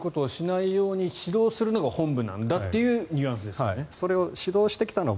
信者がそういうことをしないようにするのが本部なんだというニュアンスですよね。